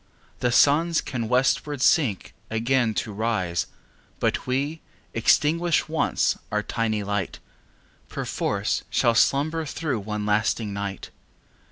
The Suns can westward sink again to rise But we, extinguished once our tiny light, 5 Perforce shall slumber through one lasting night!